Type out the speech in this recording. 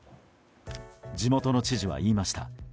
地元の知事は言いました。